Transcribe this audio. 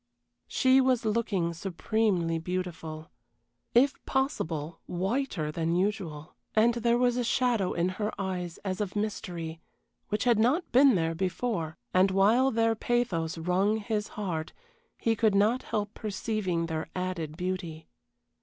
She was looking supremely beautiful. If possible, whiter than usual, and there was a shadow in her eyes as of mystery, which had not been there before and while their pathos wrung his heart, he could not help perceiving their added beauty.